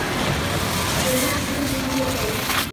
De ellos el más viejo de todos era Ymir.